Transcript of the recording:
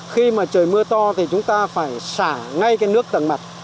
khi mà trời mưa to thì chúng ta phải xả ngay cái nước tầng mặt